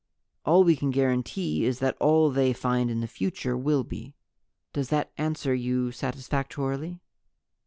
All we can guarantee is that all they find in the future will be. Does that answer you satisfactorily?"